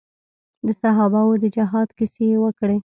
د صحابه وو د جهاد کيسې يې وکړې.